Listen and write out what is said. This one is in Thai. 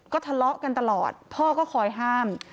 ก็ทะเลาะกันตลอดพ่อก็คอยห้าม